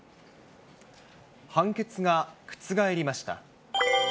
判決が覆りました。